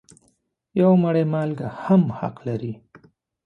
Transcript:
یوه مړۍ مالګه هم حق لري.